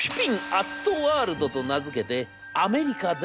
アットワールドと名付けてアメリカでも販売。